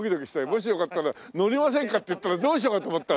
「もしよかったら乗りませんか？」って言ったらどうしようかと思った。